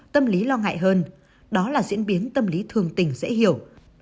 tâm lý lo ngại hơn đó là diễn biến tâm lý thường tình dễ hiểu